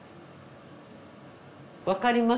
分かります？